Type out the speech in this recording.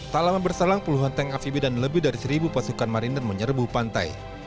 tak lama berselang puluhan tank amfibi dan lebih dari seribu pasukan mariner menyerbu pantai